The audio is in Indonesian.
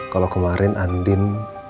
kalau kemarin andin